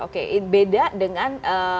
oke beda dengan